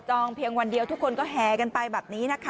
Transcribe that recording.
เพียงวันเดียวทุกคนก็แห่กันไปแบบนี้นะคะ